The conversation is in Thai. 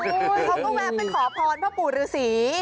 เขาต้องแบบเป็นขอพรพ่อปุ้งศีร์